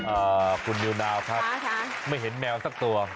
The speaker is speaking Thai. โอ้คุณดิวนาวค่ะไม่เห็นแมวสักตัว